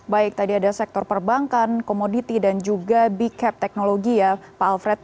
baik tadi ada sektor perbankan komoditi dan juga big cap teknologi ya pak alfred